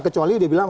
kecuali dia bilang